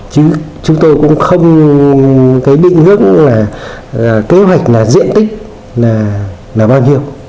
chứ chúng tôi cũng không cái định hướng là kế hoạch là diện tích là bao nhiêu